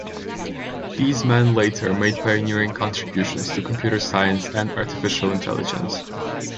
These men later made pioneering contributions to computer science and artificial intelligence.